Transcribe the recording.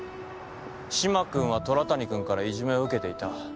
嶋君は虎谷君からいじめを受けていた。